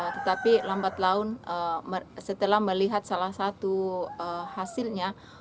tetapi lambat laun setelah melihat salah satu hasilnya